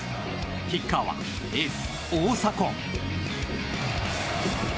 キッカーはエース、大迫。